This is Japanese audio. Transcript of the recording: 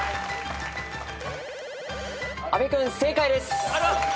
阿部君正解です。